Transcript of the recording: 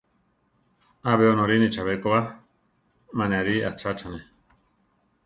Abe onorine chabé ko ba, ma ne arí achachane.